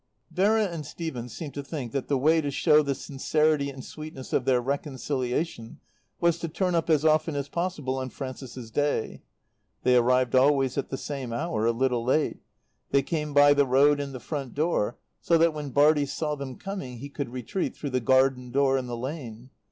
Vera and Stephen seemed to think that the way to show the sincerity and sweetness of their reconciliation was to turn up as often as possible on Frances's Day. They arrived always at the same hour, a little late; they came by the road and the front door, so that when Bartie saw them coming he could retreat through the garden door and the lane.